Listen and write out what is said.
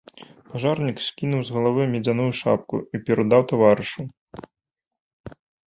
Пажарнік скінуў з галавы мядзяную шапку і перадаў таварышу.